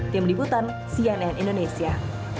tim liputan cnn indonesia